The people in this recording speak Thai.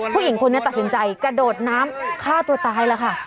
ผู้หญิงคนนี้ตัดสินใจกระโดดน้ำฆ่าตัวตายแล้วค่ะ